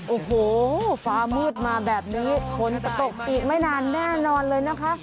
โอ้โหฟ้ามืดมาแบบนี้ฝนจะตกอีกไม่นานแน่นอนเลยนะคะ